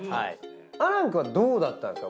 亜嵐くんはどうだったんですか